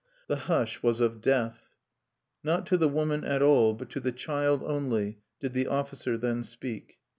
The hush was of death. Not to the woman at all, but to the child only, did the officer then speak.